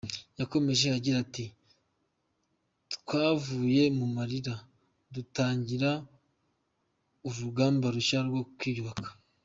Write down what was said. Yakomeje agira ati “Twavuye mu marira dutangira urugamba rushya rwo kwiyubaka.